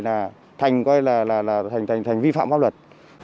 là thành vi phạm pháp luật